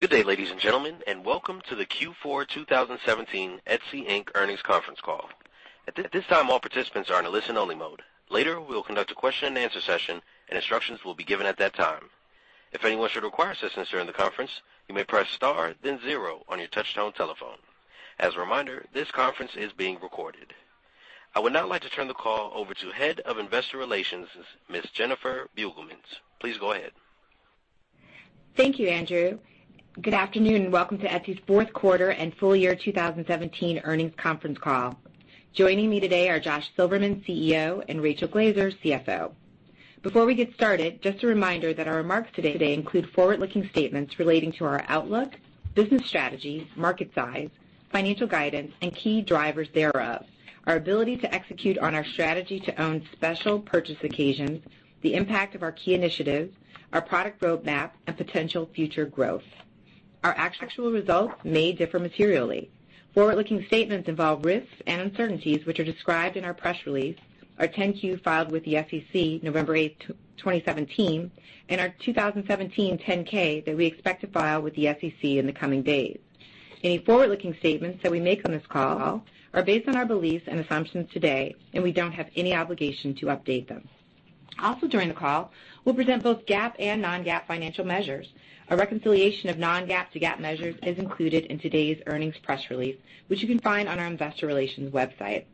Good day, ladies and gentlemen, and welcome to the Q4 2017 Etsy Inc. earnings conference call. At this time, all participants are in a listen-only mode. Later, we will conduct a question and answer session, and instructions will be given at that time. If anyone should require assistance during the conference, you may press star then zero on your touch-tone telephone. As a reminder, this conference is being recorded. I would now like to turn the call over to Head of Investor Relations, Ms. Jennifer Beugelmans. Please go ahead. Thank you, Andrew. Good afternoon and welcome to Etsy's fourth quarter and full year 2017 earnings conference call. Joining me today are Josh Silverman, CEO, and Rachel Glaser, CFO. Before we get started, just a reminder that our remarks today include forward-looking statements relating to our outlook, business strategies, market size, financial guidance, and key drivers thereof, our ability to execute on our strategy to own special purchase occasions, the impact of our key initiatives, our product roadmap, and potential future growth. Our actual results may differ materially. Forward-looking statements involve risks and uncertainties, which are described in our press release, our 10-Q filed with the SEC November eighth, 2017, and our 2017 10-K that we expect to file with the SEC in the coming days. Any forward-looking statements that we make on this call are based on our beliefs and assumptions today. We don't have any obligation to update them. During the call, we'll present both GAAP and non-GAAP financial measures. A reconciliation of non-GAAP to GAAP measures is included in today's earnings press release, which you can find on our investor relations website.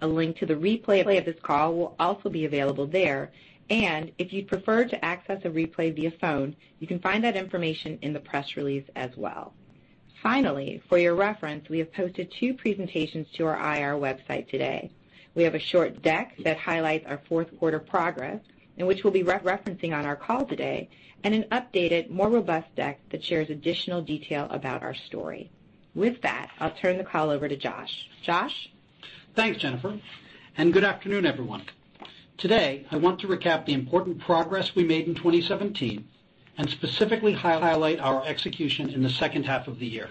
A link to the replay of this call will also be available there. If you'd prefer to access a replay via phone, you can find that information in the press release as well. For your reference, we have posted two presentations to our IR website today. We have a short deck that highlights our fourth quarter progress and which we'll be referencing on our call today, an updated, more robust deck that shares additional detail about our story. With that, I'll turn the call over to Josh. Josh? Thanks, Jennifer, and good afternoon, everyone. Today, I want to recap the important progress we made in 2017 and specifically highlight our execution in the second half of the year.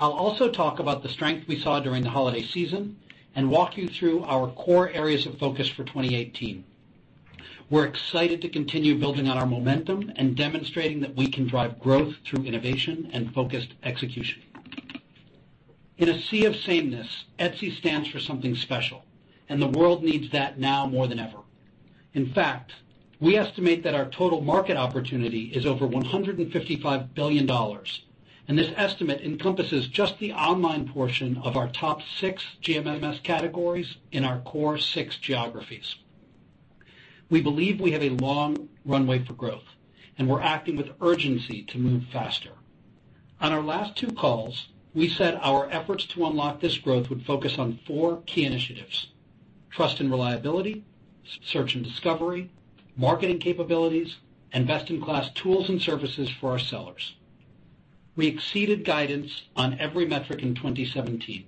I'll also talk about the strength we saw during the holiday season and walk you through our core areas of focus for 2018. We're excited to continue building on our momentum and demonstrating that we can drive growth through innovation and focused execution. In a sea of sameness, Etsy stands for something special, and the world needs that now more than ever. In fact, we estimate that our total market opportunity is over $155 billion, and this estimate encompasses just the online portion of our top six GMS categories in our core six geographies. We believe we have a long runway for growth, and we're acting with urgency to move faster. On our last two calls, we said our efforts to unlock this growth would focus on four key initiatives: trust and reliability, search and discovery, marketing capabilities, and best-in-class tools and services for our sellers. We exceeded guidance on every metric in 2017.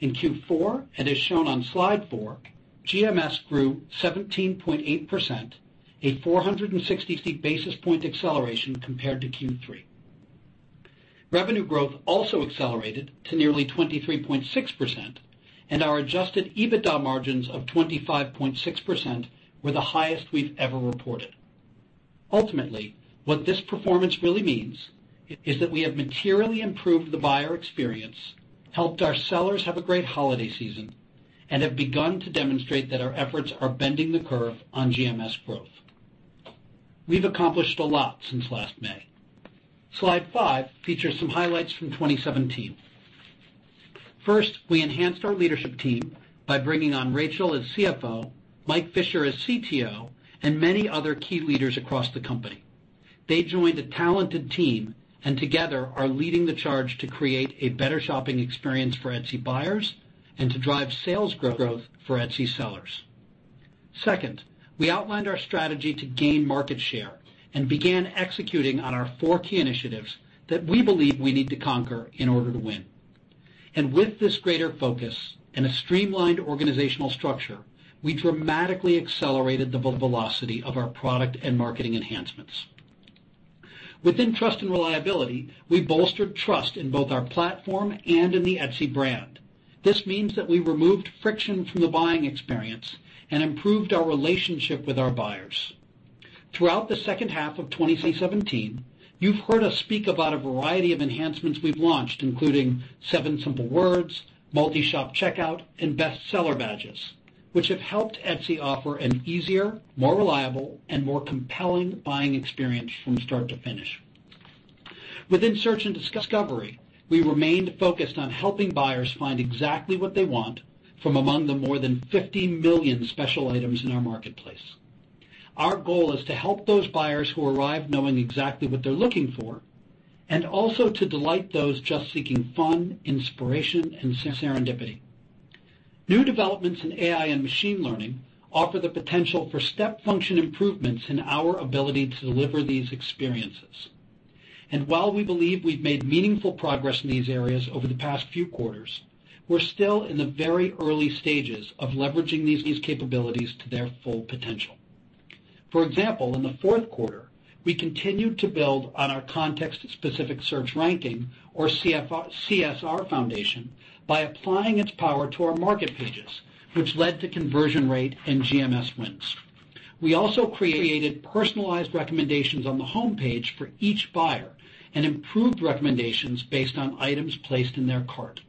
In Q4, as shown on slide four, GMS grew 17.8%, a 460 basis point acceleration compared to Q3. Revenue growth also accelerated to nearly 23.6%, and our adjusted EBITDA margins of 25.6% were the highest we've ever reported. Ultimately, what this performance really means is that we have materially improved the buyer experience, helped our sellers have a great holiday season, and have begun to demonstrate that our efforts are bending the curve on GMS growth. We've accomplished a lot since last May. Slide five features some highlights from 2017. First, we enhanced our leadership team by bringing on Rachel Glaser as CFO, Mike Fisher as CTO, and many other key leaders across the company. They joined a talented team and together are leading the charge to create a better shopping experience for Etsy buyers and to drive sales growth for Etsy sellers. Second, we outlined our strategy to gain market share and began executing on our four key initiatives that we believe we need to conquer in order to win. With this greater focus and a streamlined organizational structure, we dramatically accelerated the velocity of our product and marketing enhancements. Within trust and reliability, we bolstered trust in both our platform and in the Etsy brand. This means that we removed friction from the buying experience and improved our relationship with our buyers. Throughout the second half of 2017, you've heard us speak about a variety of enhancements we've launched, including Seven Simple Words, Multi-Shop Checkout, and Best Seller badges, which have helped Etsy offer an easier, more reliable, and more compelling buying experience from start to finish. Within search and discovery, we remained focused on helping buyers find exactly what they want from among the more than 50 million special items in our marketplace. Our goal is to help those buyers who arrive knowing exactly what they're looking for and also to delight those just seeking fun, inspiration, and serendipity. New developments in AI and machine learning offer the potential for step function improvements in our ability to deliver these experiences. While we believe we've made meaningful progress in these areas over the past few quarters, we're still in the very early stages of leveraging these capabilities to their full potential. For example, in the fourth quarter, we continued to build on our context-specific search ranking, or CSR foundation, by applying its power to our market pages, which led to conversion rate and GMS wins. We also created personalized recommendations on the homepage for each buyer and improved recommendations based on items placed in their cart.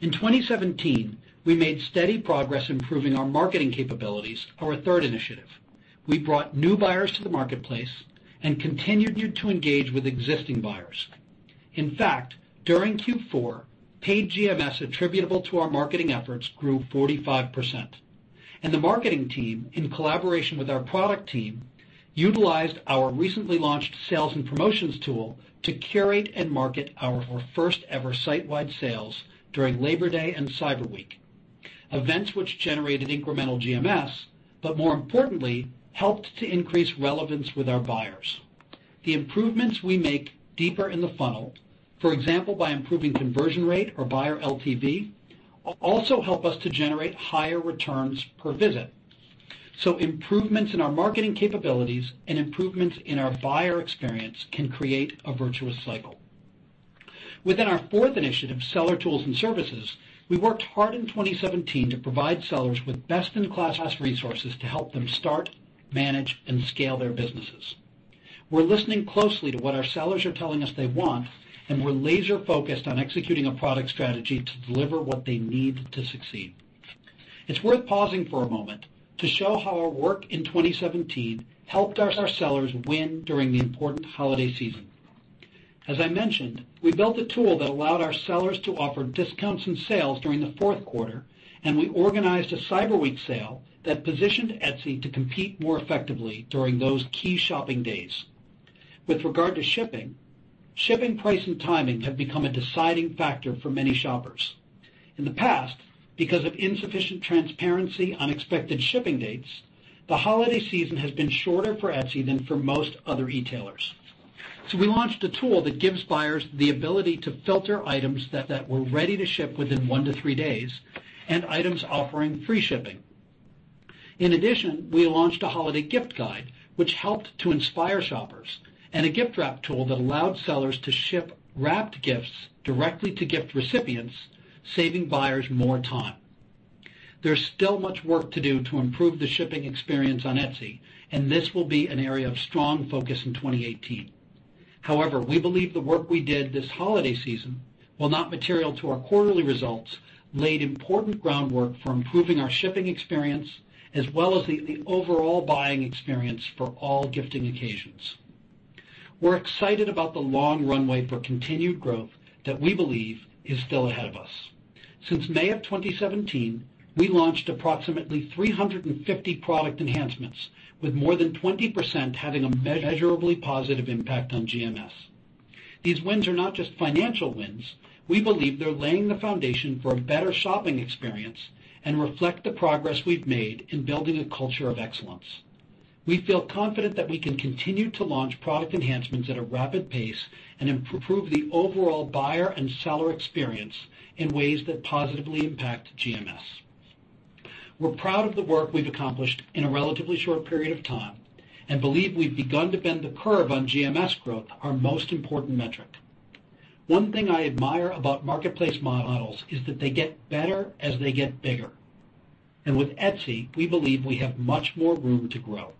In 2017, we made steady progress improving our marketing capabilities, our third initiative. We brought new buyers to the marketplace and continued to engage with existing buyers. In fact, during Q4, paid GMS attributable to our marketing efforts grew 45%. The marketing team, in collaboration with our product team, utilized our recently launched sales and promotions tool to curate and market our first-ever site-wide sales during Labor Day and Cyber Week, events which generated incremental GMS, but more importantly, helped to increase relevance with our buyers. The improvements we make deeper in the funnel, for example, by improving conversion rate or buyer LTV, also help us to generate higher returns per visit. Improvements in our marketing capabilities and improvements in our buyer experience can create a virtuous cycle. Within our fourth initiative, seller tools and services, we worked hard in 2017 to provide sellers with best-in-class resources to help them start, manage, and scale their businesses. We're listening closely to what our sellers are telling us they want, and we're laser-focused on executing a product strategy to deliver what they need to succeed. It's worth pausing for a moment to show how our work in 2017 helped our sellers win during the important holiday season. As I mentioned, we built a tool that allowed our sellers to offer discounts and sales during the fourth quarter, and we organized a Cyber Week sale that positioned Etsy to compete more effectively during those key shopping days. With regard to shipping price and timing have become a deciding factor for many shoppers. In the past, because of insufficient transparency, unexpected shipping dates, the holiday season has been shorter for Etsy than for most other e-tailers. We launched a tool that gives buyers the ability to filter items that were ready to ship within one to three days and items offering free shipping. In addition, we launched a holiday gift guide, which helped to inspire shoppers, and a gift wrap tool that allowed sellers to ship wrapped gifts directly to gift recipients, saving buyers more time. There's still much work to do to improve the shipping experience on Etsy, and this will be an area of strong focus in 2018. However, we believe the work we did this holiday season, while not material to our quarterly results, laid important groundwork for improving our shipping experience, as well as the overall buying experience for all gifting occasions. We're excited about the long runway for continued growth that we believe is still ahead of us. Since May of 2017, we launched approximately 350 product enhancements, with more than 20% having a measurably positive impact on GMS. These wins are not just financial wins. We believe they're laying the foundation for a better shopping experience and reflect the progress we've made in building a culture of excellence. We feel confident that we can continue to launch product enhancements at a rapid pace and improve the overall buyer and seller experience in ways that positively impact GMS. We're proud of the work we've accomplished in a relatively short period of time and believe we've begun to bend the curve on GMS growth, our most important metric. One thing I admire about marketplace models is that they get better as they get bigger. With Etsy, we believe we have much more room to grow.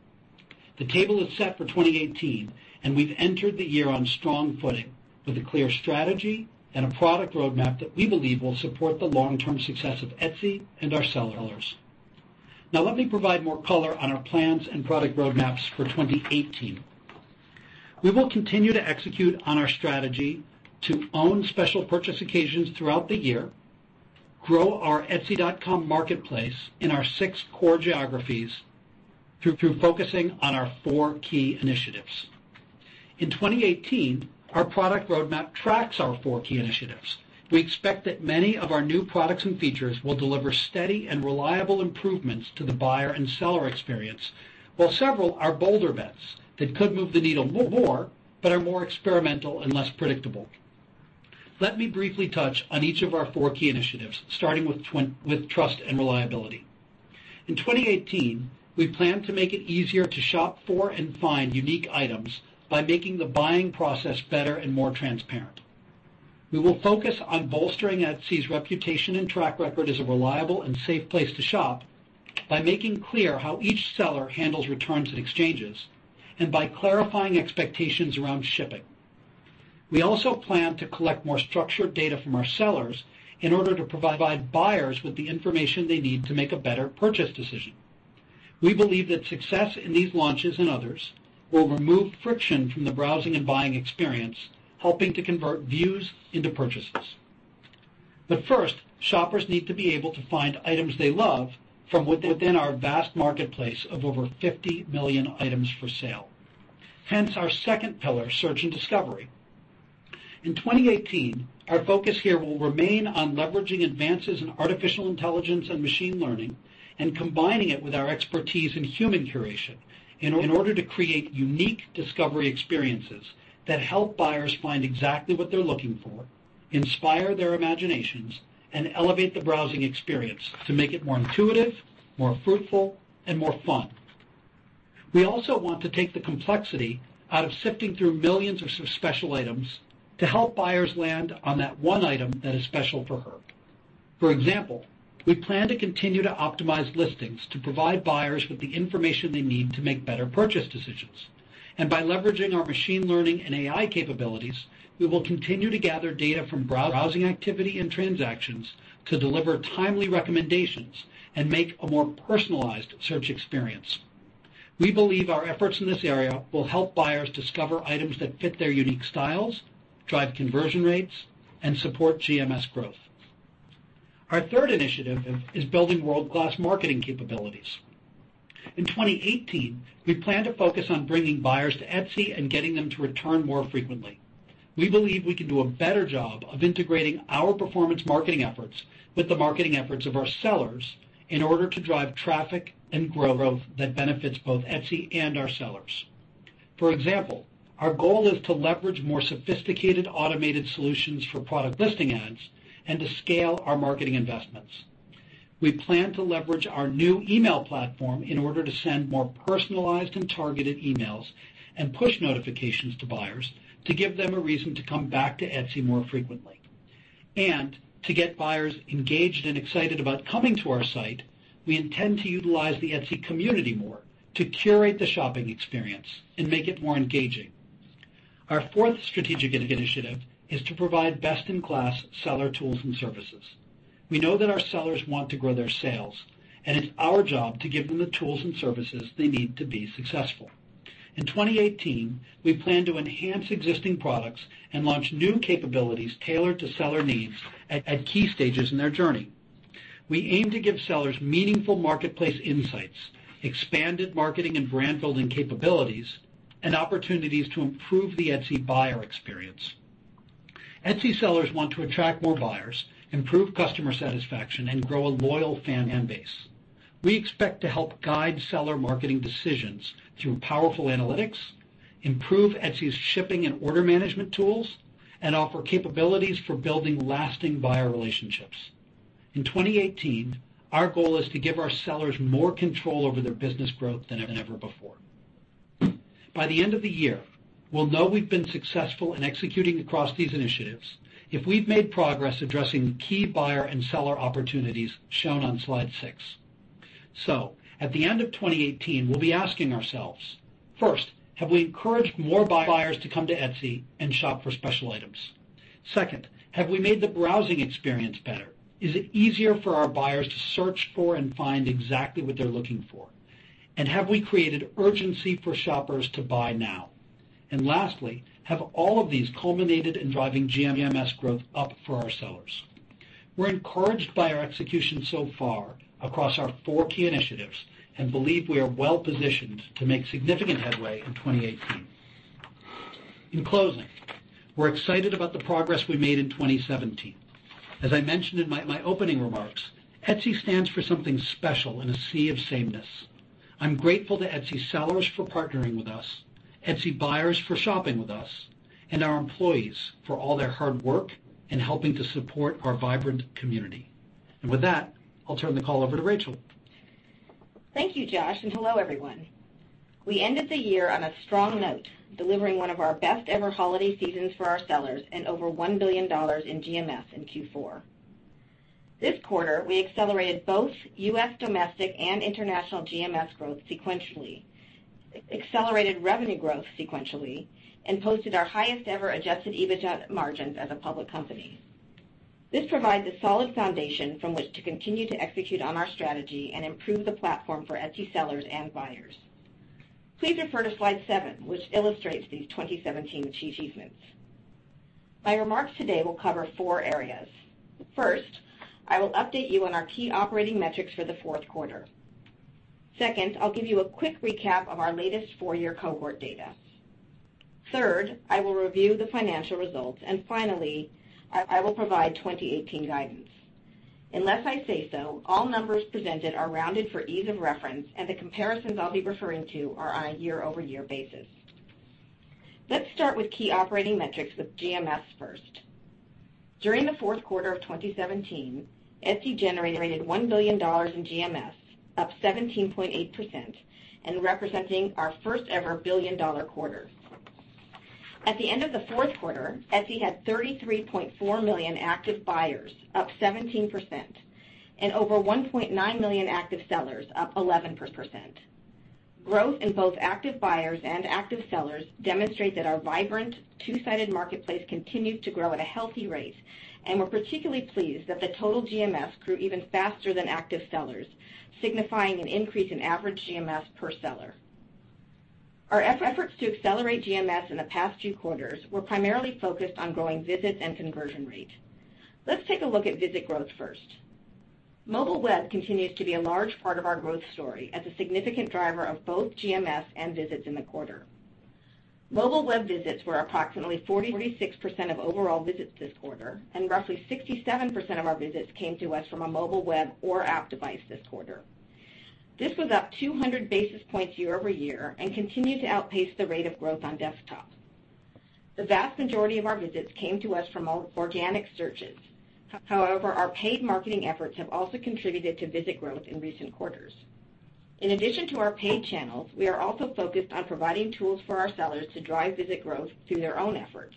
The table is set for 2018, and we've entered the year on strong footing with a clear strategy and a product roadmap that we believe will support the long-term success of Etsy and our sellers. Let me provide more color on our plans and product roadmaps for 2018. We will continue to execute on our strategy to own special purchase occasions throughout the year, grow our etsy.com marketplace in our six core geographies through focusing on our four key initiatives. In 2018, our product roadmap tracks our four key initiatives. We expect that many of our new products and features will deliver steady and reliable improvements to the buyer and seller experience, while several are bolder bets that could move the needle more, but are more experimental and less predictable. Let me briefly touch on each of our four key initiatives, starting with trust and reliability. In 2018, we plan to make it easier to shop for and find unique items by making the buying process better and more transparent. We will focus on bolstering Etsy's reputation and track record as a reliable and safe place to shop by making clear how each seller handles returns and exchanges and by clarifying expectations around shipping. We also plan to collect more structured data from our sellers in order to provide buyers with the information they need to make a better purchase decision. We believe that success in these launches and others will remove friction from the browsing and buying experience, helping to convert views into purchases. First, shoppers need to be able to find items they love from within our vast marketplace of over 50 million items for sale. Hence, our second pillar, search and discovery. In 2018, our focus here will remain on leveraging advances in artificial intelligence and machine learning and combining it with our expertise in human curation in order to create unique discovery experiences that help buyers find exactly what they're looking for, inspire their imaginations, and elevate the browsing experience to make it more intuitive, more fruitful, and more fun. We also want to take the complexity out of sifting through millions of special items to help buyers land on that one item that is special for her. For example, we plan to continue to optimize listings to provide buyers with the information they need to make better purchase decisions. By leveraging our machine learning and AI capabilities, we will continue to gather data from browsing activity and transactions to deliver timely recommendations and make a more personalized search experience. We believe our efforts in this area will help buyers discover items that fit their unique styles, drive conversion rates, and support GMS growth. Our third initiative is building world-class marketing capabilities. In 2018, we plan to focus on bringing buyers to Etsy and getting them to return more frequently. We believe we can do a better job of integrating our performance marketing efforts with the marketing efforts of our sellers in order to drive traffic and growth that benefits both Etsy and our sellers. For example, our goal is to leverage more sophisticated, automated solutions for product listing ads and to scale our marketing investments. We plan to leverage our new email platform in order to send more personalized and targeted emails and push notifications to buyers to give them a reason to come back to Etsy more frequently. To get buyers engaged and excited about coming to our site, we intend to utilize the Etsy community more to curate the shopping experience and make it more engaging. Our fourth strategic initiative is to provide best-in-class seller tools and services. We know that our sellers want to grow their sales, and it's our job to give them the tools and services they need to be successful. In 2018, we plan to enhance existing products and launch new capabilities tailored to seller needs at key stages in their journey. We aim to give sellers meaningful marketplace insights, expanded marketing and brand-building capabilities, and opportunities to improve the Etsy buyer experience. Etsy sellers want to attract more buyers, improve customer satisfaction, and grow a loyal fan base. We expect to help guide seller marketing decisions through powerful analytics, improve Etsy's shipping and order management tools, and offer capabilities for building lasting buyer relationships. In 2018, our goal is to give our sellers more control over their business growth than ever before. By the end of the year, we'll know we've been successful in executing across these initiatives if we've made progress addressing the key buyer and seller opportunities shown on slide six. At the end of 2018, we'll be asking ourselves, first, have we encouraged more buyers to come to Etsy and shop for special items? Second, have we made the browsing experience better? Is it easier for our buyers to search for and find exactly what they're looking for? Have we created urgency for shoppers to buy now? Lastly, have all of these culminated in driving GMS growth up for our sellers? We're encouraged by our execution so far across our four key initiatives and believe we are well positioned to make significant headway in 2018. In closing, we're excited about the progress we made in 2017. As I mentioned in my opening remarks, Etsy stands for something special in a sea of sameness. I'm grateful to Etsy sellers for partnering with us, Etsy buyers for shopping with us, and our employees for all their hard work in helping to support our vibrant community. With that, I'll turn the call over to Rachel. Thank you, Josh, and hello, everyone. We ended the year on a strong note, delivering one of our best ever holiday seasons for our sellers and over $1 billion in GMS in Q4. This quarter, we accelerated both U.S. domestic and international GMS growth sequentially, accelerated revenue growth sequentially, and posted our highest ever adjusted EBITDA margins as a public company. This provides a solid foundation from which to continue to execute on our strategy and improve the platform for Etsy sellers and buyers. Please refer to Slide seven, which illustrates these 2017 achievements. My remarks today will cover four areas. First, I will update you on our key operating metrics for the fourth quarter. Second, I'll give you a quick recap of our latest four-year cohort data. Third, I will review the financial results. Finally, I will provide 2018 guidance. Unless I say so, all numbers presented are rounded for ease of reference, the comparisons I'll be referring to are on a year-over-year basis. Let's start with key operating metrics with GMS first. During the fourth quarter of 2017, Etsy generated $1 billion in GMS, up 17.8%, and representing our first ever billion-dollar quarter. At the end of the fourth quarter, Etsy had 33.4 million active buyers, up 17%, and over 1.9 million active sellers, up 11%. Growth in both active buyers and active sellers demonstrate that our vibrant, two-sided marketplace continues to grow at a healthy rate. We're particularly pleased that the total GMS grew even faster than active sellers, signifying an increase in average GMS per seller. Our efforts to accelerate GMS in the past two quarters were primarily focused on growing visits and conversion rate. Let's take a look at visit growth first. Mobile web continues to be a large part of our growth story as a significant driver of both GMS and visits in the quarter. Mobile web visits were approximately 46% of overall visits this quarter, and roughly 67% of our visits came to us from a mobile web or app device this quarter. This was up 200 basis points year-over-year and continued to outpace the rate of growth on desktop. The vast majority of our visits came to us from organic searches. However, our paid marketing efforts have also contributed to visit growth in recent quarters. In addition to our paid channels, we are also focused on providing tools for our sellers to drive visit growth through their own efforts.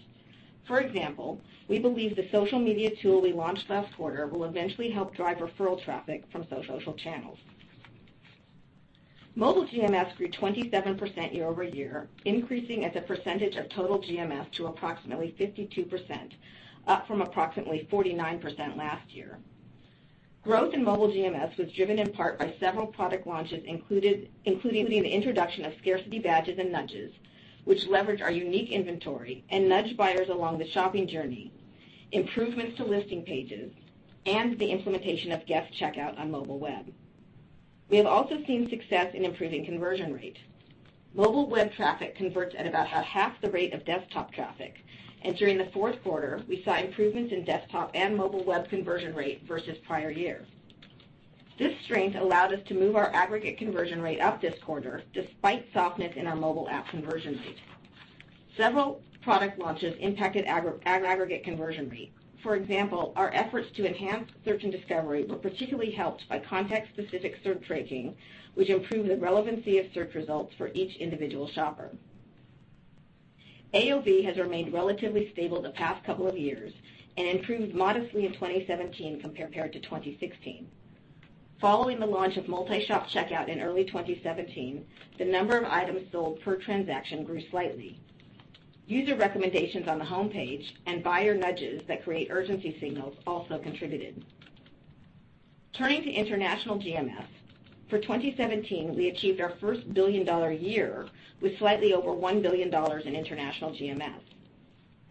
For example, we believe the social media tool we launched last quarter will eventually help drive referral traffic from social channels. Mobile GMS grew 27% year-over-year, increasing as a percentage of total GMS to approximately 52%, up from approximately 49% last year. Growth in mobile GMS was driven in part by several product launches, including the introduction of scarcity badges and nudges, which leverage our unique inventory and nudge buyers along the shopping journey, improvements to listing pages, and the implementation of guest checkout on mobile web. We have also seen success in improving conversion rate. Mobile web traffic converts at about half the rate of desktop traffic. During the fourth quarter, we saw improvements in desktop and mobile web conversion rate versus prior year. This strength allowed us to move our aggregate conversion rate up this quarter, despite softness in our mobile app conversion rate. Several product launches impacted aggregate conversion rate. For example, our efforts to enhance search and discovery were particularly helped by context-specific search ranking, which improved the relevancy of search results for each individual shopper. AOV has remained relatively stable the past couple of years and improved modestly in 2017 compared to 2016. Following the launch of Multi-Shop Checkout in early 2017, the number of items sold per transaction grew slightly. User recommendations on the homepage and buyer nudges that create urgency signals also contributed. Turning to international GMS. For 2017, we achieved our first billion-dollar year with slightly over $1 billion in international GMS.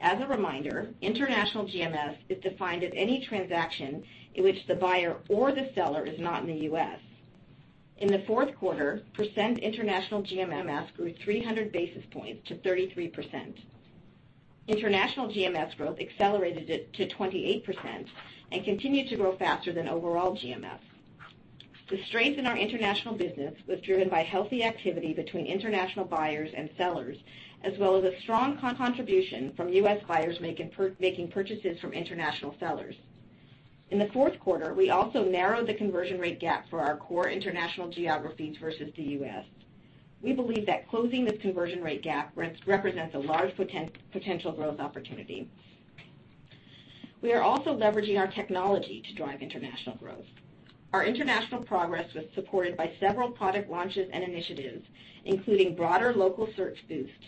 As a reminder, international GMS is defined as any transaction in which the buyer or the seller is not in the U.S. In the fourth quarter, international GMS grew 300 basis points to 33%. International GMS growth accelerated to 28% and continued to grow faster than overall GMS. The strength in our international business was driven by healthy activity between international buyers and sellers, as well as a strong contribution from U.S. buyers making purchases from international sellers. In the fourth quarter, we also narrowed the conversion rate gap for our core international geographies versus the U.S. We believe that closing this conversion rate gap represents a large potential growth opportunity. We are also leveraging our technology to drive international growth. Our international progress was supported by several product launches and initiatives, including broader local search boost,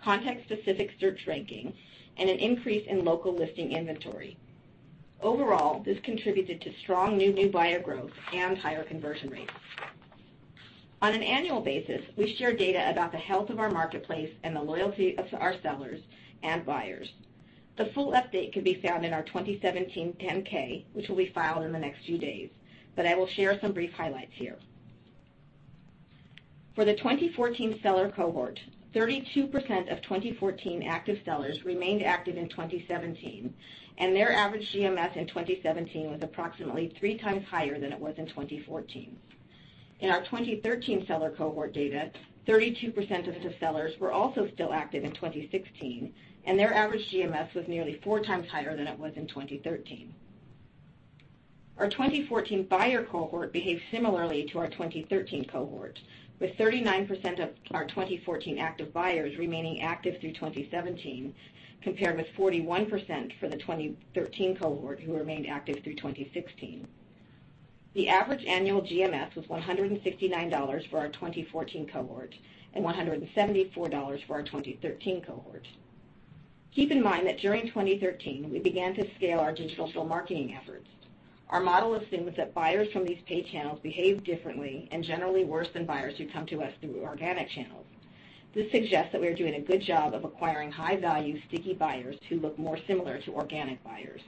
context-specific search ranking, and an increase in local listing inventory. Overall, this contributed to strong new buyer growth and higher conversion rates. On an annual basis, we share data about the health of our marketplace and the loyalty of our sellers and buyers. The full update can be found in our 2017 10-K, which will be filed in the next few days. I will share some brief highlights here. For the 2014 seller cohort, 32% of 2014 active sellers remained active in 2017, and their average GMS in 2017 was approximately three times higher than it was in 2014. In our 2013 seller cohort data, 32% of the sellers were also still active in 2016, and their average GMS was nearly four times higher than it was in 2013. Our 2014 buyer cohort behaved similarly to our 2013 cohort, with 39% of our 2014 active buyers remaining active through 2017, compared with 41% for the 2013 cohort who remained active through 2016. The average annual GMS was $169 for our 2014 cohort and $174 for our 2013 cohort. Keep in mind that during 2013, we began to scale our digital marketing efforts. Our model assumes that buyers from these paid channels behave differently and generally worse than buyers who come to us through organic channels. This suggests that we are doing a good job of acquiring high-value, sticky buyers who look more similar to organic buyers.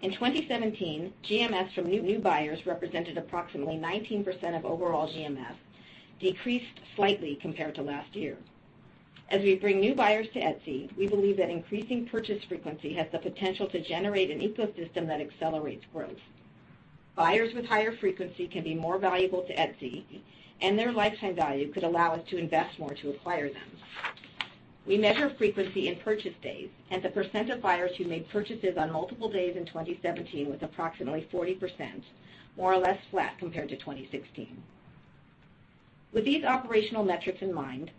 In 2017, GMS from new buyers represented approximately 19% of overall GMS, decreased slightly compared to last year. As we bring new buyers to Etsy, we believe that increasing purchase frequency has the potential to generate an ecosystem that accelerates growth. Buyers with higher frequency can be more valuable to Etsy, and their lifetime value could allow us to invest more to acquire them. We measure frequency in purchase days, and the % of buyers who made purchases on multiple days in 2017 was approximately 40%, more or less flat compared to 2016. With these operational metrics in mind,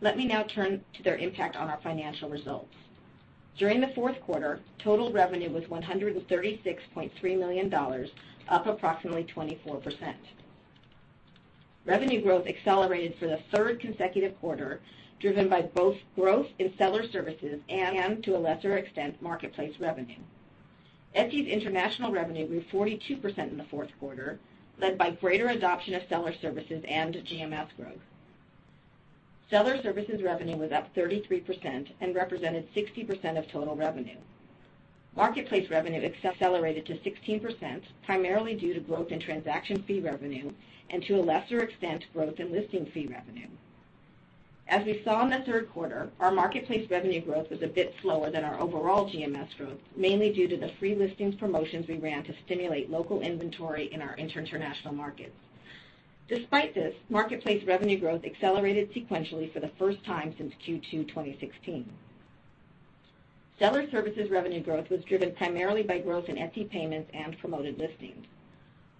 let me now turn to their impact on our financial results. During the fourth quarter, total revenue was $136.3 million, up approximately 24%. Revenue growth accelerated for the third consecutive quarter, driven by both growth in seller services and, to a lesser extent, marketplace revenue. Etsy's international revenue grew 42% in the fourth quarter, led by greater adoption of seller services and GMS growth. Seller services revenue was up 33% and represented 60% of total revenue. Marketplace revenue accelerated to 16%, primarily due to growth in transaction fee revenue and, to a lesser extent, growth in listing fee revenue. As we saw in the third quarter, our marketplace revenue growth was a bit slower than our overall GMS growth, mainly due to the free listings promotions we ran to stimulate local inventory in our international markets. Despite this, marketplace revenue growth accelerated sequentially for the first time since Q2 2016. Seller services revenue growth was driven primarily by growth in Etsy Payments and Promoted Listings.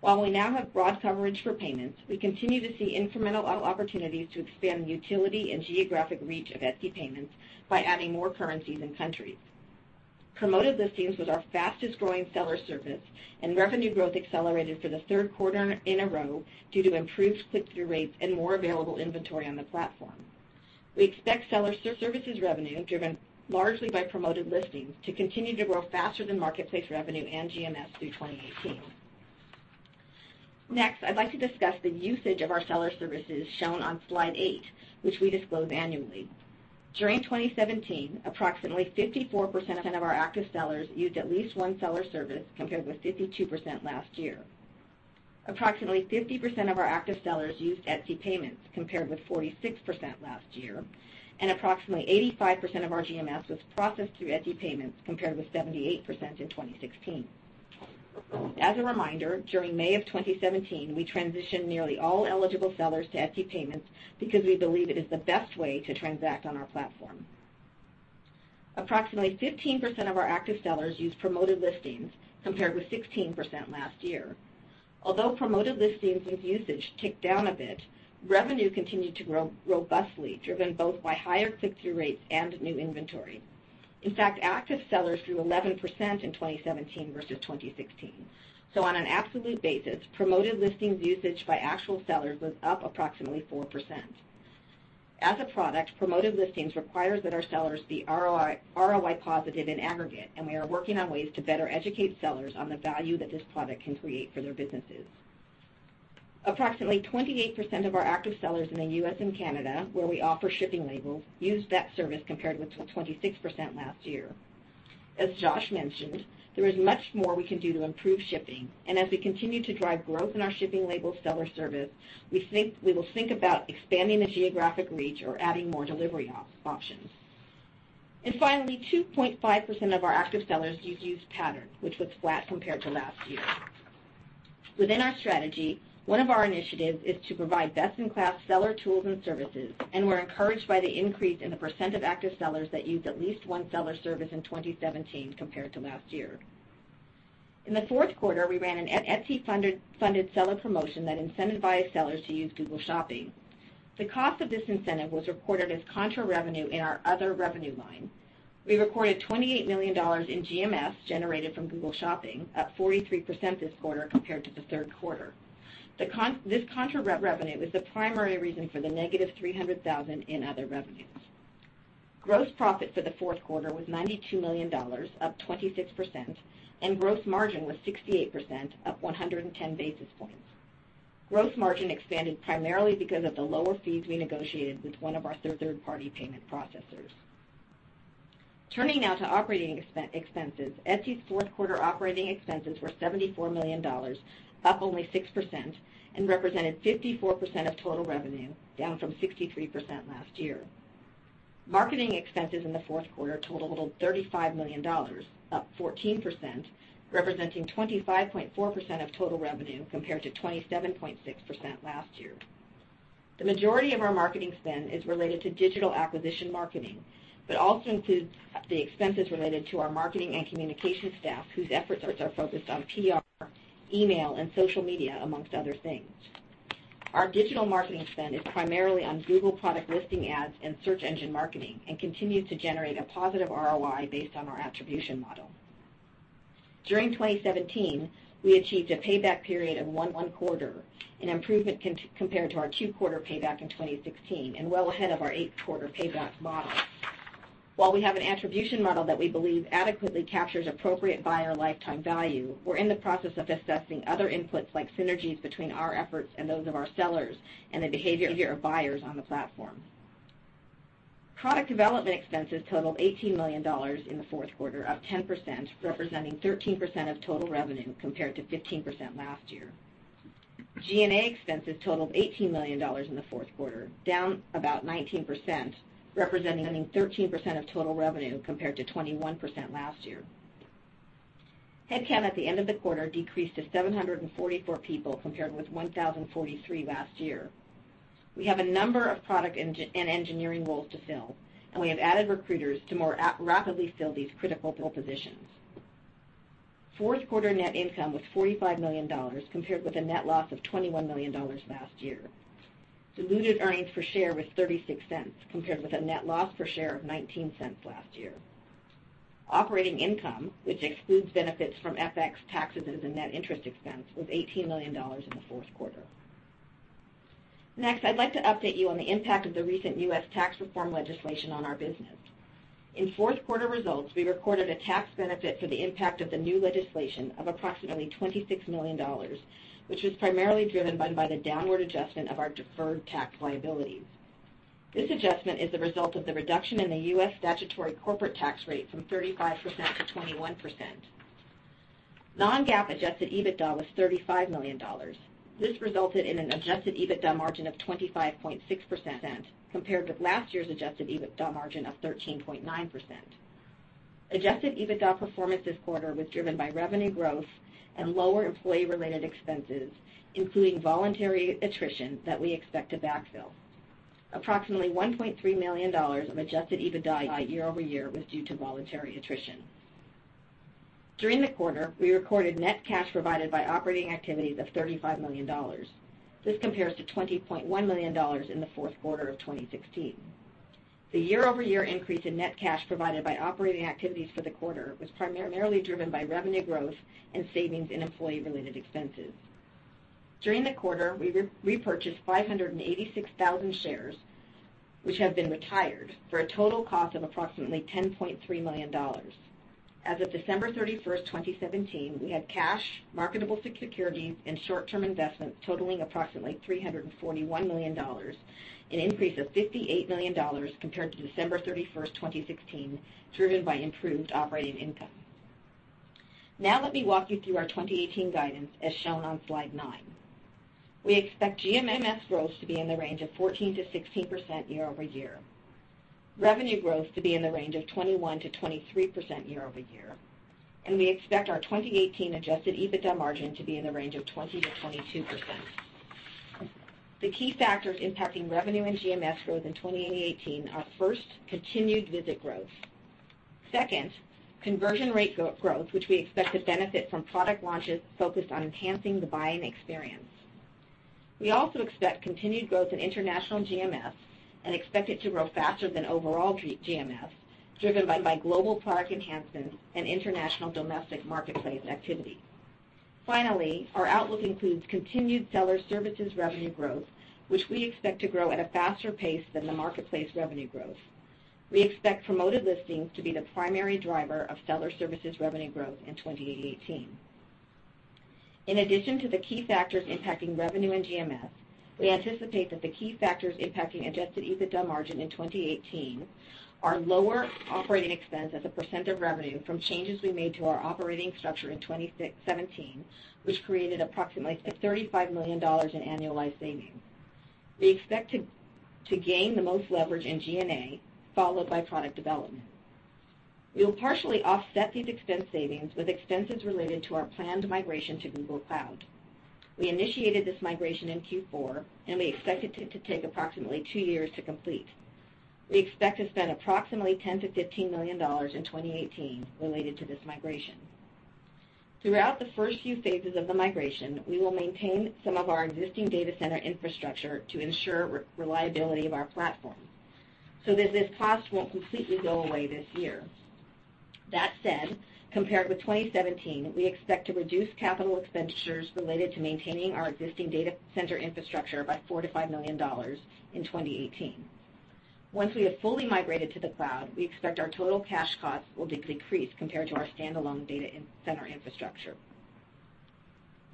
While we now have broad coverage for payments, we continue to see incremental opportunities to expand the utility and geographic reach of Etsy Payments by adding more currencies and countries. Promoted Listings was our fastest growing seller service, and revenue growth accelerated for the third quarter in a row due to improved click-through rates and more available inventory on the platform. We expect seller services revenue, driven largely by Promoted Listings, to continue to grow faster than marketplace revenue and GMS through 2018. Next, I'd like to discuss the usage of our seller services shown on slide eight, which we disclose annually. During 2017, approximately 54% of our active sellers used at least one seller service, compared with 52% last year. Approximately 50% of our active sellers used Etsy Payments, compared with 46% last year, and approximately 85% of our GMS was processed through Etsy Payments, compared with 78% in 2016. As a reminder, during May of 2017, we transitioned nearly all eligible sellers to Etsy Payments because we believe it is the best way to transact on our platform. Approximately 15% of our active sellers used Promoted Listings, compared with 16% last year. Although Promoted Listings and usage ticked down a bit, revenue continued to grow robustly, driven both by higher click-through rates and new inventory. In fact, active sellers grew 11% in 2017 versus 2016. On an absolute basis, Promoted Listings usage by actual sellers was up approximately 4%. As a product, Promoted Listings requires that our sellers be ROI positive in aggregate, and we are working on ways to better educate sellers on the value that this product can create for their businesses. Approximately 28% of our active sellers in the U.S. and Canada, where we offer shipping labels, used that service, compared with 26% last year. As Josh mentioned, there is much more we can do to improve shipping, and as we continue to drive growth in our shipping label seller service, we will think about expanding the geographic reach or adding more delivery options. Finally, 2.5% of our active sellers use Pattern, which was flat compared to last year. Within our strategy, one of our initiatives is to provide best-in-class seller tools and services, we're encouraged by the increase in the % of active sellers that used at least one seller service in 2017 compared to last year. In the fourth quarter, we ran an Etsy-funded seller promotion that incentivized sellers to use Google Shopping. The cost of this incentive was recorded as contra revenue in our other revenue line. We recorded $28 million in GMS generated from Google Shopping, up 43% this quarter compared to the third quarter. This contra revenue was the primary reason for the negative $300,000 in other revenues. Gross profit for the fourth quarter was $92 million, up 26%, and gross margin was 68%, up 110 basis points. Gross margin expanded primarily because of the lower fees we negotiated with one of our third-party payment processors. Turning now to operating expenses, Etsy's fourth quarter operating expenses were $74 million, up only 6%, and represented 54% of total revenue, down from 63% last year. Marketing expenses in the fourth quarter totaled $35 million, up 14%, representing 25.4% of total revenue, compared to 27.6% last year. The majority of our marketing spend is related to digital acquisition marketing, also includes the expenses related to our marketing and communication staff, whose efforts are focused on PR, email, and social media, amongst other things. Our digital marketing spend is primarily on Google product listing ads and search engine marketing, continues to generate a positive ROI based on our attribution model. During 2017, we achieved a payback period of one quarter, an improvement compared to our two-quarter payback in 2016 and well ahead of our eight-quarter payback model. While we have an attribution model that we believe adequately captures appropriate buyer lifetime value, we're in the process of assessing other inputs, like synergies between our efforts and those of our sellers and the behavior of buyers on the platform. Product development expenses totaled $18 million in the fourth quarter, up 10%, representing 13% of total revenue, compared to 15% last year. G&A expenses totaled $18 million in the fourth quarter, down about 19%, representing 13% of total revenue, compared to 21% last year. Headcount at the end of the quarter decreased to 744 people, compared with 1,043 last year. We have a number of product and engineering roles to fill, we have added recruiters to more rapidly fill these critical positions. Fourth quarter net income was $45 million, compared with a net loss of $21 million last year. Diluted earnings per share was $0.36, compared with a net loss per share of $0.19 last year. Operating income, which excludes benefits from FX, taxes, and net interest expense, was $18 million in the fourth quarter. Next, I'd like to update you on the impact of the recent U.S. tax reform legislation on our business. In fourth quarter results, we recorded a tax benefit for the impact of the new legislation of approximately $26 million, which was primarily driven by the downward adjustment of our deferred tax liabilities. This adjustment is the result of the reduction in the U.S. statutory corporate tax rate from 35% to 21%. Non-GAAP adjusted EBITDA was $35 million. This resulted in an adjusted EBITDA margin of 25.6%, compared with last year's adjusted EBITDA margin of 13.9%. Adjusted EBITDA performance this quarter was driven by revenue growth and lower employee-related expenses, including voluntary attrition that we expect to backfill. Approximately $1.3 million of adjusted EBITDA year-over-year was due to voluntary attrition. During the quarter, we recorded net cash provided by operating activities of $35 million. This compares to $20.1 million in the fourth quarter of 2016. The year-over-year increase in net cash provided by operating activities for the quarter was primarily driven by revenue growth and savings in employee-related expenses. During the quarter, we repurchased 586,000 shares, which have been retired, for a total cost of approximately $10.3 million. As of December 31st, 2017, we had cash, marketable securities, and short-term investments totaling approximately $341 million, an increase of $58 million compared to December 31st, 2016, driven by improved operating income. Let me walk you through our 2018 guidance, as shown on slide nine. We expect GMS growth to be in the range of 14%-16% year-over-year, revenue growth to be in the range of 21%-23% year-over-year, and we expect our 2018 adjusted EBITDA margin to be in the range of 20%-22%. The key factors impacting revenue and GMS growth in 2018 are, first, continued visit growth. Second, conversion rate growth, which we expect to benefit from product launches focused on enhancing the buying experience. We also expect continued growth in international GMS and expect it to grow faster than overall GMS, driven by global product enhancements and international domestic marketplace activity. Our outlook includes continued seller services revenue growth, which we expect to grow at a faster pace than the marketplace revenue growth. We expect Promoted Listings to be the primary driver of seller services revenue growth in 2018. In addition to the key factors impacting revenue and GMS, we anticipate that the key factors impacting adjusted EBITDA margin in 2018 are lower operating expense as a % of revenue from changes we made to our operating structure in 2017, which created approximately $35 million in annualized savings. We expect to gain the most leverage in G&A, followed by product development. We will partially offset these expense savings with expenses related to our planned migration to Google Cloud. We initiated this migration in Q4, and we expect it to take approximately two years to complete. We expect to spend approximately $10 million-$15 million in 2018 related to this migration. Throughout the first few phases of the migration, we will maintain some of our existing data center infrastructure to ensure reliability of our platform, this cost won't completely go away this year. Compared with 2017, we expect to reduce capital expenditures related to maintaining our existing data center infrastructure by $4 million-$5 million in 2018. Once we have fully migrated to the cloud, we expect our total cash costs will decrease compared to our standalone data center infrastructure.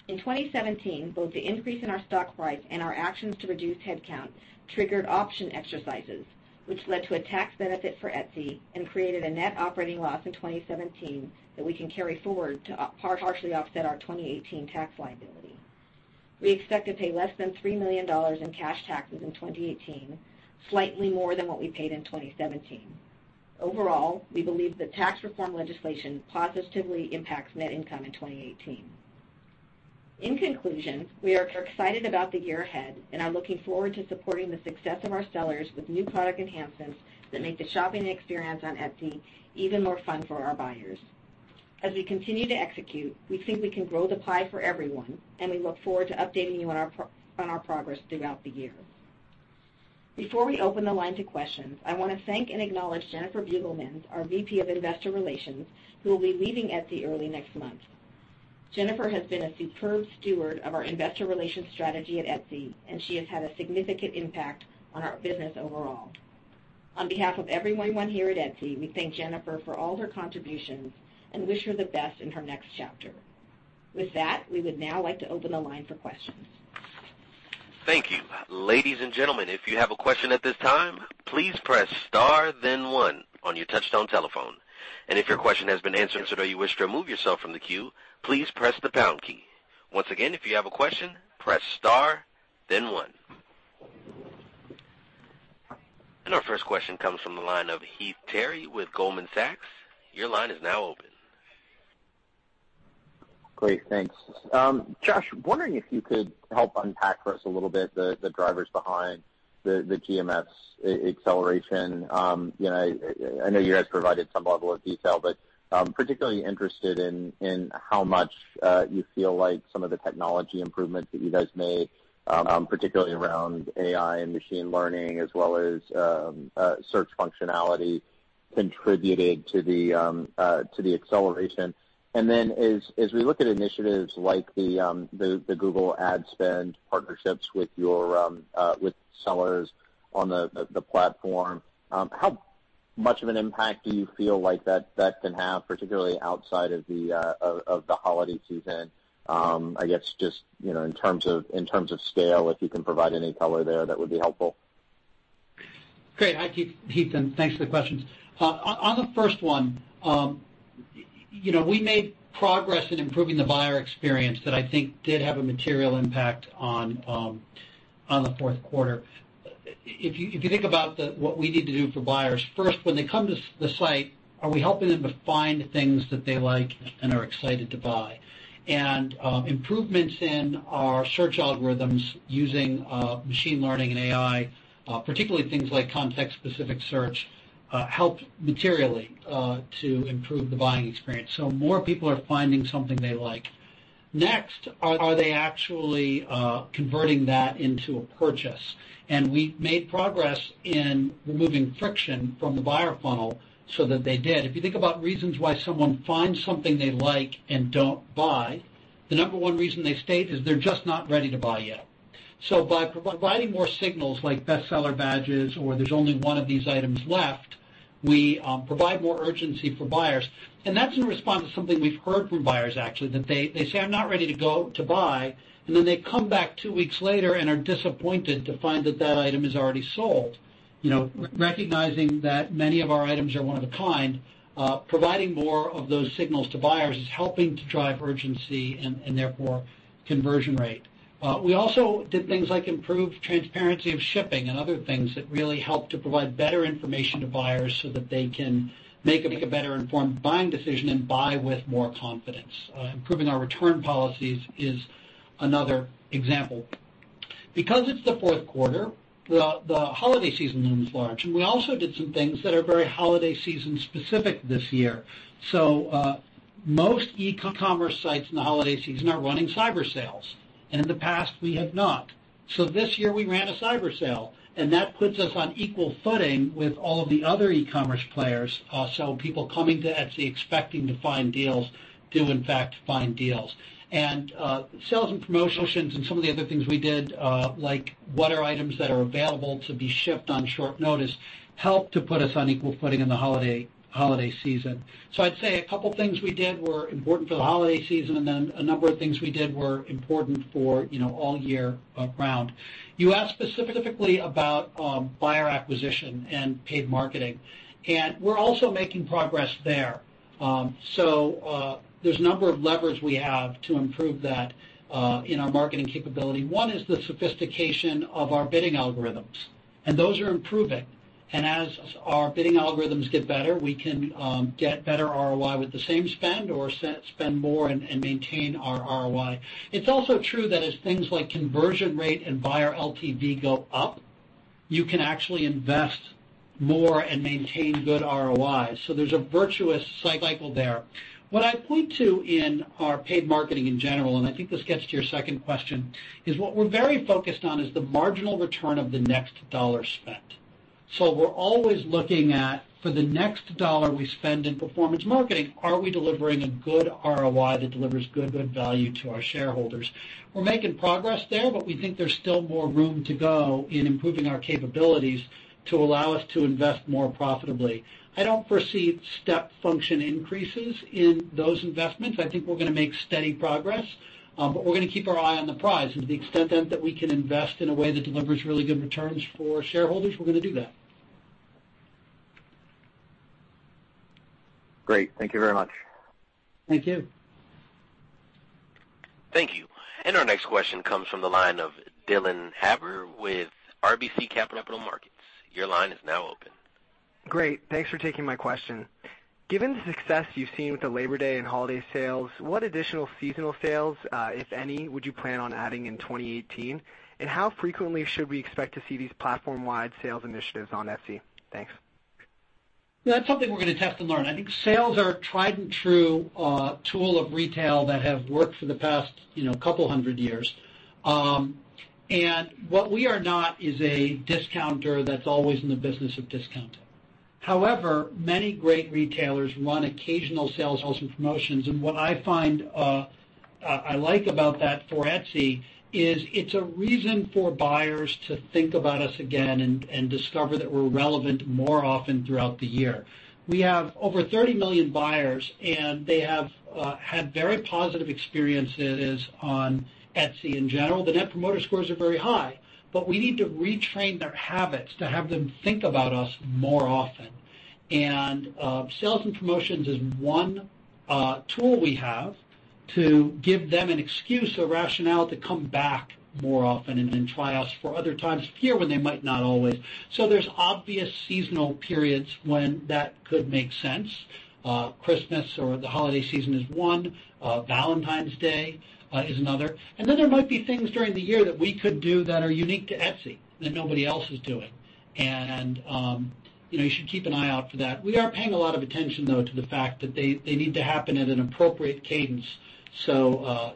In 2017, both the increase in our stock price and our actions to reduce headcount triggered option exercises, which led to a tax benefit for Etsy and created a net operating loss in 2017 that we can carry forward to partially offset our 2018 tax liability. We expect to pay less than $3 million in cash taxes in 2018, slightly more than what we paid in 2017. Overall, we believe the tax reform legislation positively impacts net income in 2018. In conclusion, we are excited about the year ahead and are looking forward to supporting the success of our sellers with new product enhancements that make the shopping experience on Etsy even more fun for our buyers. As we continue to execute, we think we can grow the pie for everyone, and we look forward to updating you on our progress throughout the year. Before we open the line to questions, I want to thank and acknowledge Jennifer Beugelmans, our VP of Investor Relations, who will be leaving Etsy early next month. Jennifer has been a superb steward of our investor relations strategy at Etsy, and she has had a significant impact on our business overall. On behalf of everyone here at Etsy, we thank Jennifer for all her contributions and wish her the best in her next chapter. We would now like to open the line for questions. Thank you. Ladies and gentlemen, if you have a question at this time, please press star then one on your touchtone telephone. If your question has been answered or you wish to remove yourself from the queue, please press the pound key. Once again, if you have a question, press star then one. Our first question comes from the line of Heath Terry with Goldman Sachs. Your line is now open. Great, thanks. Josh, wondering if you could help unpack for us a little bit the drivers behind the GMS acceleration. I know you guys provided some level of detail, but particularly interested in how much you feel like some of the technology improvements that you guys made, particularly around AI and machine learning as well as search functionality, contributed to the acceleration. Then as we look at initiatives like the Google ad spend partnerships with sellers on the platform, how much of an impact do you feel like that can have, particularly outside of the holiday season? I guess just in terms of scale, if you can provide any color there, that would be helpful. Great. Hi, Heath, and thanks for the questions. On the first one. We made progress in improving the buyer experience that I think did have a material impact on the fourth quarter. If you think about what we need to do for buyers, first, when they come to the site, are we helping them to find things that they like and are excited to buy? Improvements in our search algorithms using machine learning and AI, particularly things like context-specific search, helped materially to improve the buying experience. More people are finding something they like. Next, are they actually converting that into a purchase? We made progress in removing friction from the buyer funnel so that they did. If you think about reasons why someone finds something they like and don't buy, the number one reason they state is they're just not ready to buy yet. By providing more signals like Best Seller badges, or there's only one of these items left, we provide more urgency for buyers. That's in response to something we've heard from buyers, actually, that they say, "I'm not ready to go to buy," and then they come back two weeks later and are disappointed to find that that item is already sold. Recognizing that many of our items are one of a kind, providing more of those signals to buyers is helping to drive urgency and therefore conversion rate. We also did things like improve transparency of shipping and other things that really help to provide better information to buyers so that they can make a better-informed buying decision and buy with more confidence. Improving our return policies is another example. Because it's the fourth quarter, the holiday season looms large, and we also did some things that are very holiday season-specific this year. Most e-commerce sites in the holiday season are running cyber sales, and in the past, we have not. This year, we ran a cyber sale, and that puts us on equal footing with all of the other e-commerce players. People coming to Etsy expecting to find deals do in fact find deals. Sales and promotions and some of the other things we did like what are items that are available to be shipped on short notice, helped to put us on equal footing in the holiday season. I'd say a couple of things we did were important for the holiday season, and then a number of things we did were important for all year round. You asked specifically about buyer acquisition and paid marketing. We're also making progress there. There's a number of levers we have to improve that in our marketing capability. One is the sophistication of our bidding algorithms, and those are improving. As our bidding algorithms get better, we can get better ROI with the same spend or spend more and maintain our ROI. It's also true that as things like conversion rate and buyer LTV go up, you can actually invest more and maintain good ROI. There's a virtuous cycle there. What I point to in our paid marketing in general, and I think this gets to your second question, is what we're very focused on is the marginal return of the next dollar spent. We're always looking at, for the next $1 we spend in performance marketing, are we delivering a good ROI that delivers good value to our shareholders? We're making progress there, but we think there's still more room to go in improving our capabilities to allow us to invest more profitably. I don't foresee step function increases in those investments. I think we're going to make steady progress, but we're going to keep our eye on the prize. To the extent that we can invest in a way that delivers really good returns for shareholders, we're going to do that. Great. Thank you very much. Thank you. Thank you. Our next question comes from the line of Dylan Haber with RBC Capital Markets. Your line is now open. Great. Thanks for taking my question. Given the success you've seen with the Labor Day and holiday sales, what additional seasonal sales, if any, would you plan on adding in 2018? How frequently should we expect to see these platform-wide sales initiatives on Etsy? Thanks. That's something we're going to test and learn. I think sales are a tried and true tool of retail that have worked for the past couple of hundred years. What we are not is a discounter that's always in the business of discounting. However, many great retailers run occasional sales and promotions, and what I find I like about that for Etsy is it's a reason for buyers to think about us again and discover that we're relevant more often throughout the year. We have over 30 million buyers, and they have had very positive experiences on Etsy in general. The net promoter scores are very high. We need to retrain their habits to have them think about us more often. Sales and promotions is one tool we have to give them an excuse or rationale to come back more often and try us for other times of year when they might not always. There's obvious seasonal periods when that could make sense. Christmas or the holiday season is one, Valentine's Day is another. Then there might be things during the year that we could do that are unique to Etsy that nobody else is doing. You should keep an eye out for that. We are paying a lot of attention, though, to the fact that they need to happen at an appropriate cadence. We're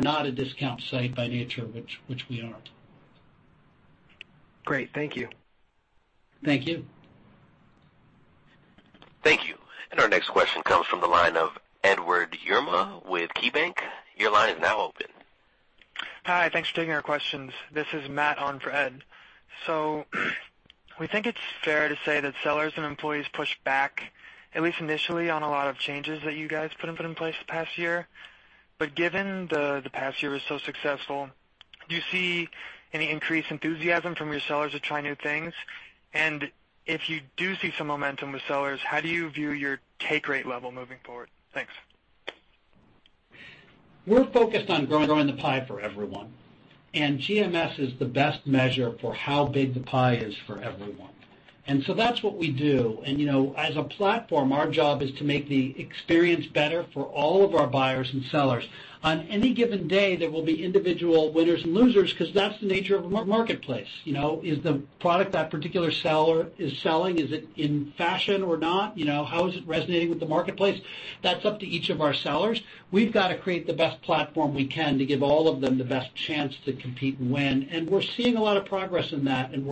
not a discount site by nature, which we aren't. Great. Thank you. Thank you. Thank you. Our next question comes from the line of Edward Yruma with KeyBanc. Your line is now open. Hi. Thanks for taking our questions. This is Matt on for Ed. We think it's fair to say that sellers and employees pushed back, at least initially, on a lot of changes that you guys put in place the past year. Given the past year was so successful, do you see any increased enthusiasm from your sellers to try new things? If you do see some momentum with sellers, how do you view your take rate level moving forward? Thanks. We're focused on growing the pie for everyone, and GMS is the best measure for how big the pie is for everyone. That's what we do. As a platform, our job is to make the experience better for all of our buyers and sellers. On any given day, there will be individual winners and losers because that's the nature of a marketplace. Is the product that particular seller is selling, is it in fashion or not? How is it resonating with the marketplace? That's up to each of our sellers. We've got to create the best platform we can to give all of them the best chance to compete and win. We're seeing a lot of progress in that, and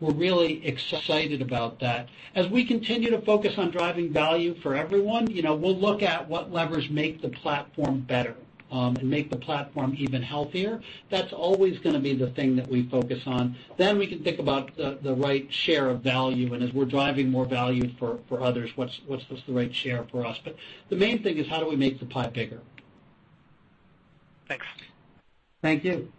we're really excited about that. As we continue to focus on driving value for everyone, we'll look at what levers make the platform better and make the platform even healthier. That's always going to be the thing that we focus on. We can think about the right share of value, and as we're driving more value for others, what's the right share for us? The main thing is how do we make the pie bigger. Thanks. Thank you.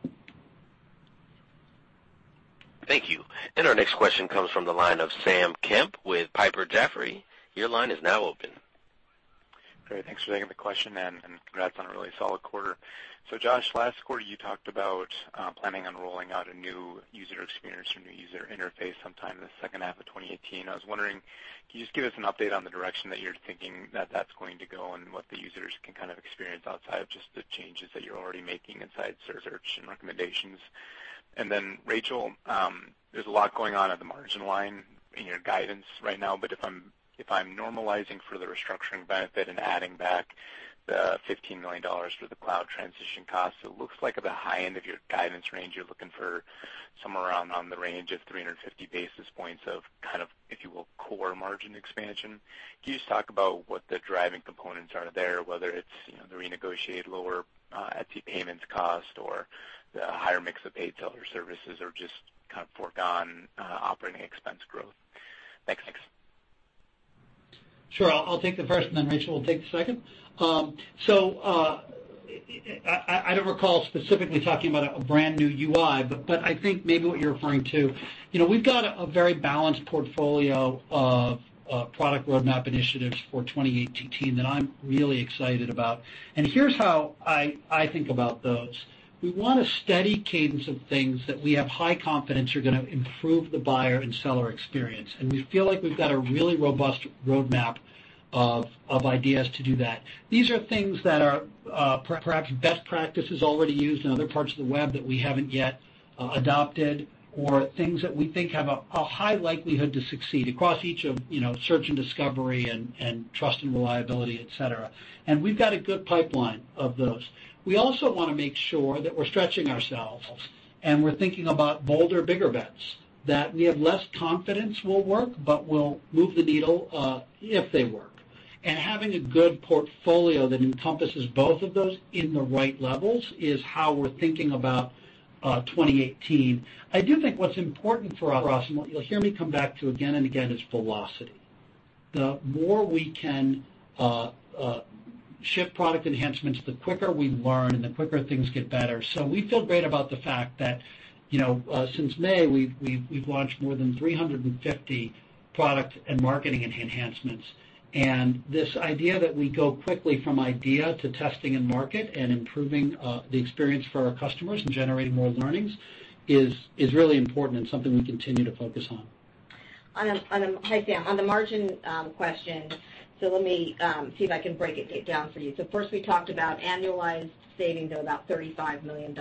Thank you. Our next question comes from the line of Sam Kemp with Piper Jaffray. Your line is now open. Great. Thanks for taking the question, and congrats on a really solid quarter. Josh, last quarter, you talked about planning on rolling out a new user experience or new user interface sometime in the second half of 2018. I was wondering, can you just give us an update on the direction that you're thinking that that's going to go and what the users can experience outside of just the changes that you're already making inside search and recommendations? Rachel, there's a lot going on at the margin line in your guidance right now, but if I'm normalizing for the restructuring benefit and adding back the $15 million for the cloud transition cost, it looks like at the high end of your guidance range, you're looking for somewhere around on the range of 350 basis points of kind of, if you will, core margin expansion. Can you just talk about what the driving components are there, whether it's the renegotiated lower Etsy Payments cost or the higher mix of paid seller services or just foregone operating expense growth? Thanks. Sure. I'll take the first, and then Rachel will take the second. I don't recall specifically talking about a brand new UI, but I think maybe what you're referring to, we've got a very balanced portfolio of product roadmap initiatives for 2018 that I'm really excited about. Here's how I think about those. We want a steady cadence of things that we have high confidence are going to improve the buyer and seller experience, and we feel like we've got a really robust roadmap of ideas to do that. These are things that are perhaps best practices already used in other parts of the web that we haven't yet adopted, or things that we think have a high likelihood to succeed across each of search and discovery and trust and reliability, et cetera. We've got a good pipeline of those. We also want to make sure that we're stretching ourselves, and we're thinking about bolder, bigger bets that we have less confidence will work, but will move the needle if they work. Having a good portfolio that encompasses both of those in the right levels is how we're thinking about 2018. I do think what's important for us, and what you'll hear me come back to again and again, is velocity. The more we can ship product enhancements, the quicker we learn, and the quicker things get better. We feel great about the fact that since May, we've launched more than 350 product and marketing enhancements. This idea that we go quickly from idea to testing and market and improving the experience for our customers and generating more learnings is really important and something we continue to focus on. Hi, Sam. On the margin question, let me see if I can break it down for you. First, we talked about annualized savings of about $35 million,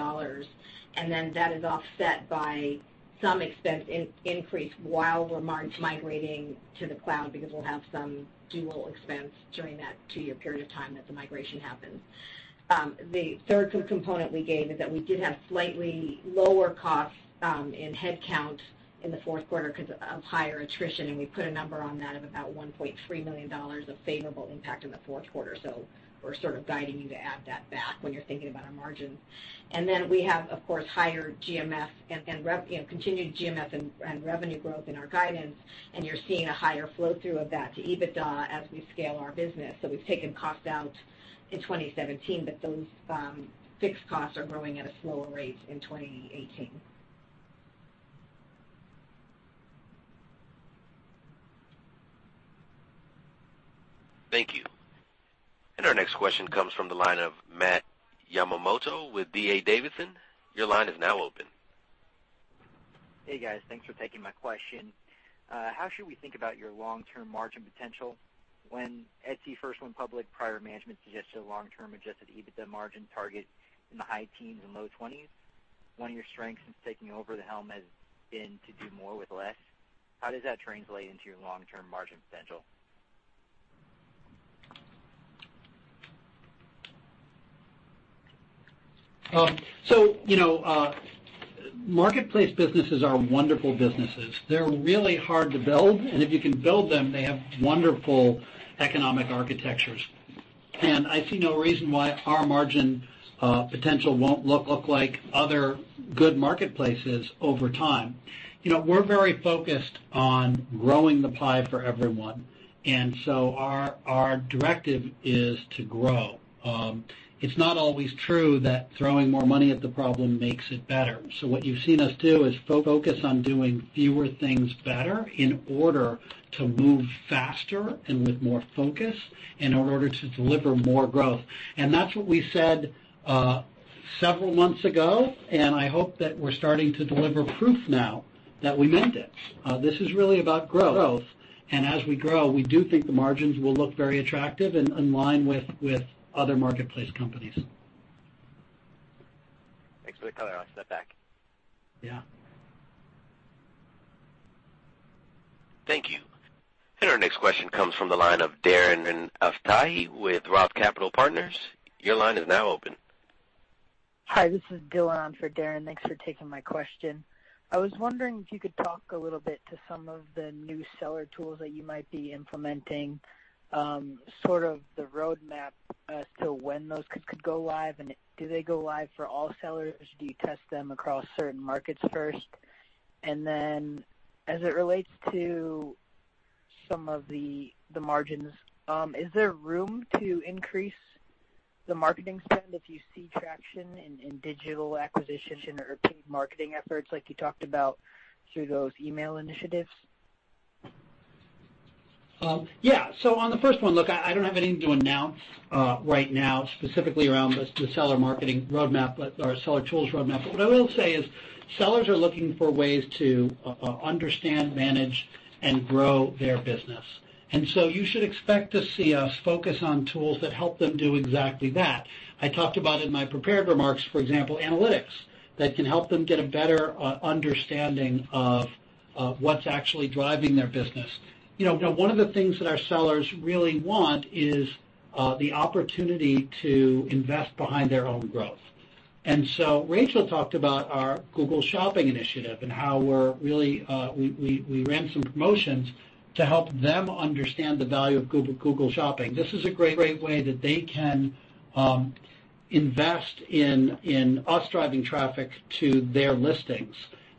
then that is offset by some expense increase while we're migrating to the cloud because we'll have some dual expense during that two-year period of time that the migration happens. The third component we gave is that we did have slightly lower costs in head count in the fourth quarter because of higher attrition, we put a number on that of about $1.3 million of favorable impact in the fourth quarter. We're sort of guiding you to add that back when you're thinking about our margins. We have, of course, continued GMS and revenue growth in our guidance, and you're seeing a higher flow-through of that to EBITDA as we scale our business. We've taken costs out in 2017, but those fixed costs are growing at a slower rate in 2018. Thank you. Our next question comes from the line of Matt Yamamoto with D.A. Davidson. Your line is now open. Hey, guys. Thanks for taking my question. How should we think about your long-term margin potential? When Etsy first went public, prior management suggested a long-term adjusted EBITDA margin target in the high teens and low 20s. One of your strengths since taking over the helm has been to do more with less. How does that translate into your long-term margin potential? Marketplace businesses are wonderful businesses. They're really hard to build, and if you can build them, they have wonderful economic architectures. I see no reason why our margin potential won't look like other good marketplaces over time. We're very focused on growing the pie for everyone, our directive is to grow. It's not always true that throwing more money at the problem makes it better. What you've seen us do is focus on doing fewer things better in order to move faster and with more focus and in order to deliver more growth. That's what we said several months ago, and I hope that we're starting to deliver proof now that we meant it. This is really about growth. As we grow, we do think the margins will look very attractive and in line with other marketplace companies. Thanks for the color, I'll step back. Yeah. Thank you. Our next question comes from the line of Darren Aftahi with ROTH Capital Partners. Your line is now open. Hi, this is Dillon in for Darren. Thanks for taking my question. I was wondering if you could talk a little bit to some of the new seller tools that you might be implementing, sort of the roadmap as to when those could go live, and do they go live for all sellers, or do you test them across certain markets first? Then as it relates to some of the margins, is there room to increase the marketing spend if you see traction in digital acquisition or paid marketing efforts like you talked about through those email initiatives? Yeah. On the first one, look, I don't have anything to announce right now, specifically around the seller marketing roadmap or seller tools roadmap. What I will say is sellers are looking for ways to understand, manage, and grow their business. You should expect to see us focus on tools that help them do exactly that. I talked about in my prepared remarks, for example, analytics that can help them get a better understanding of what's actually driving their business. One of the things that our sellers really want is the opportunity to invest behind their own growth. Rachel talked about our Google Shopping initiative and how we ran some promotions to help them understand the value of Google Shopping. This is a great way that they can invest in us driving traffic to their listings.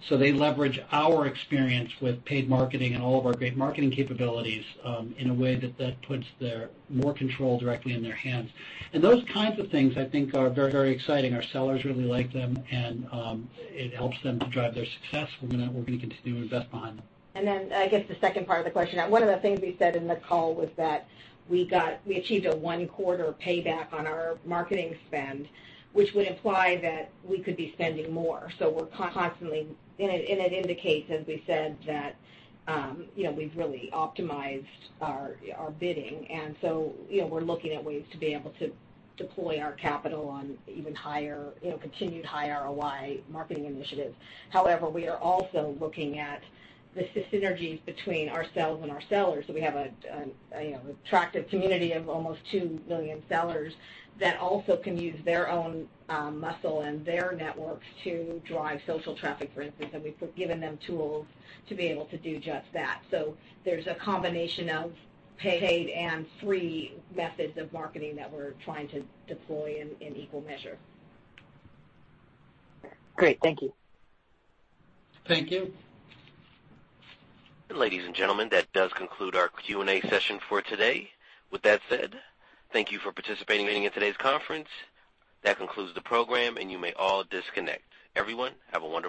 They leverage our experience with paid marketing and all of our great marketing capabilities in a way that puts more control directly in their hands. Those kinds of things I think are very exciting. Our sellers really like them, and it helps them to drive their success. We're going to continue to invest behind them. I guess the second part of the question, one of the things we said in the call was that we achieved a one-quarter payback on our marketing spend, which would imply that we could be spending more. It indicates, as we said, that we've really optimized our bidding. We're looking at ways to be able to deploy our capital on even continued higher ROI marketing initiatives. However, we are also looking at the synergies between ourselves and our sellers. We have an attractive community of almost 2 million sellers that also can use their own muscle and their networks to drive social traffic, for instance. We've given them tools to be able to do just that. There's a combination of paid and free methods of marketing that we're trying to deploy in equal measure. Great. Thank you. Thank you. Ladies and gentlemen, that does conclude our Q&A session for today. With that said, thank you for participating in today's conference. That concludes the program, and you may all disconnect. Everyone, have a wonderful day.